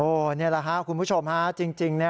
โอ๊ะนี่แหละค่ะคุณผู้ชมจริง